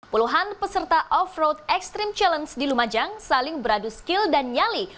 puluhan peserta off road extreme challenge di lumajang saling beradu skill dan nyali